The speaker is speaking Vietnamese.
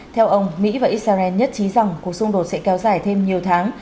theo ông mỹ và israel nhất trí rằng cuộc xung đột sẽ kéo dài thêm nhiều tháng